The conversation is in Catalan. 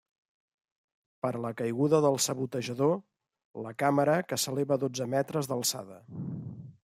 Per a la caiguda del sabotejador, la càmera que s'eleva a dotze metres d'alçada.